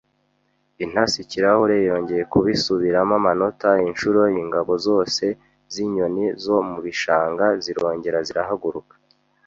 Intasi-ikirahure yongeye kubisubiramo amanota inshuro; ingabo zose zinyoni zo mu bishanga zirongera zirahaguruka,